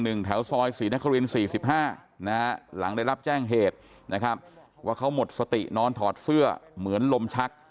แถวซอยศรีนคริน๔๕นะฮะหลังได้รับแจ้งเหตุนะครับว่าเขาหมดสตินอนถอดเสื้อเหมือนลมชัก